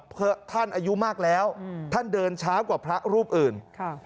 เพราะท่านอายุมากแล้วท่านเดินช้ากว่าพระรูปอื่นค่ะ